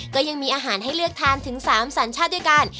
ก็ยังมีอาหารให้เลือกทานถึง๓สัญชาติด้วยกัน